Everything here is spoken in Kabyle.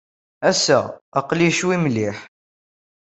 Ass-a, aql-iyi ccwi mliḥ.